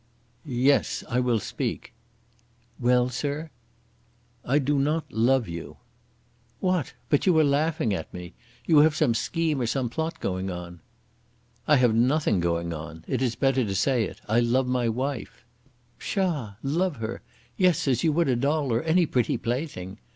"Yes; I will speak." "Well, sir!" "I do not love you." "What! But you are laughing at me. You have some scheme or some plot going on." "I have nothing going on. It is better to say it. I love my wife." "Psha! love her; yes, as you would a doll or any pretty plaything.